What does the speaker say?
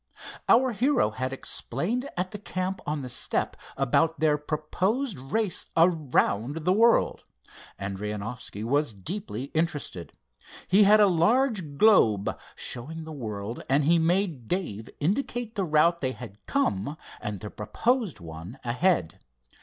Our hero had explained at the camp on the steppe about their proposed race around the world. Adrianoffski was deeply interested. He had a large globe showing the world, and he made Dave indicate the route they had come, and the proposed one ahead.